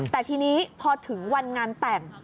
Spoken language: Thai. แต่ทีนี้พอถึงวันงานแต่ง